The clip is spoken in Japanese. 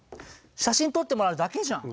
写真撮ってもらうだけじゃん。